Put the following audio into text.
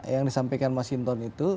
yang disampaikan mas hinton itu